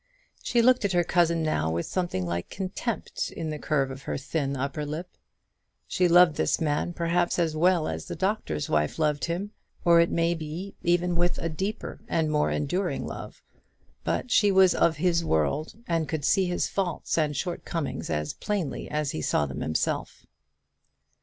She looked at her cousin now with something like contempt in the curve of her thin upper lip. She loved this man perhaps as well as the Doctor's Wife loved him, or it may be even with a deeper and more enduring love; but she was of his world, and could see his faults and shortcomings as plainly as he saw them himself.